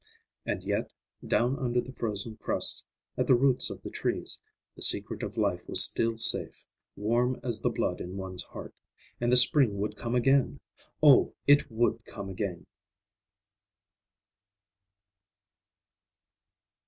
And yet, down under the frozen crusts, at the roots of the trees, the secret of life was still safe, warm as the blood in one's heart; and the spring would come again! Oh, it would come again!